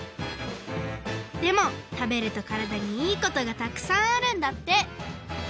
でもたべるとからだにいいことがたくさんあるんだって！